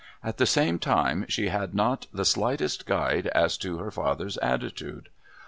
At the same time, she had not the slightest guide as to her father's attitude.